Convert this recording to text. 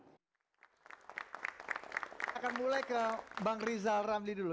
saya akan mulai ke bang rizal ramli dulu